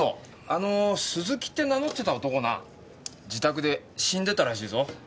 あの鈴木って名乗ってた男な自宅で死んでたらしいぞ。